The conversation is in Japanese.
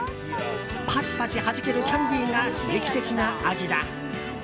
ぱちぱちはじけるキャンディーが刺激的な味だ。